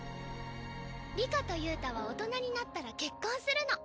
里香と憂太は大人になったら結婚するの。